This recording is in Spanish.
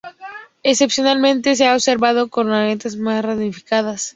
Excepcionalmente se han observado cornamentas más ramificadas.